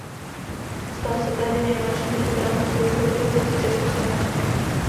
Stal se tehdy nejmladším držitelem titulu doktor věd v Československu.